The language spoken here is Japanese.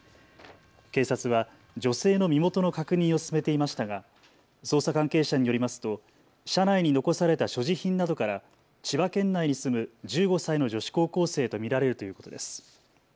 警察は女性の身元の確認を進めていましたが捜査関係者によりますと車内に残された所持品などから千葉県内に住む１５歳の女子高校生と見られるということです。